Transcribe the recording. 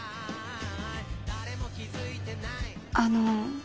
あの。